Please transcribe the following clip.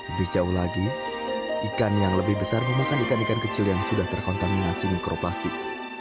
lebih jauh lagi ikan yang lebih besar memakan ikan ikan kecil yang sudah terkontaminasi mikroplastik